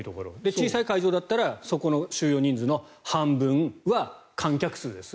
小さい会場だったらそこの収容人数の半分は観客数です。